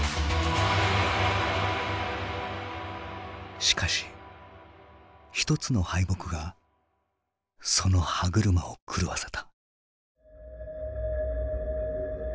しかし一つの敗北がその歯車を狂わせた。